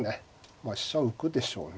まあ飛車を浮くでしょうね。